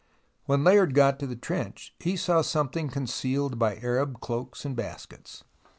When Layard got to the trench he saw something concealed by Arab cloaks and baskets.